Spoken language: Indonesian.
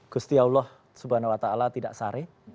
kustiaullah subhanahu wa ta'ala tidak sari